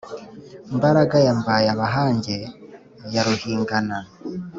mbaraga ya mbabayabahange ya ruhingana